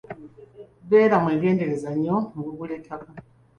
Beera mwegendereza nnyo ng'ogula ettaka.